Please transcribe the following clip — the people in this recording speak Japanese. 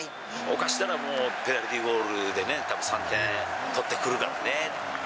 犯したらもうペナルティゴールで３点取ってくるからね。